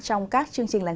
trong các chương trình này